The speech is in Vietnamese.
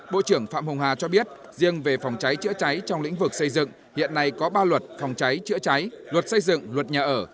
bộ trưởng phạm hồng hà cho biết riêng về phòng cháy chữa cháy trong lĩnh vực xây dựng hiện nay có ba luật phòng cháy chữa cháy luật xây dựng luật nhà ở